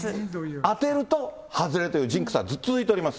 当てると外れるというジンクスがずっと続いています。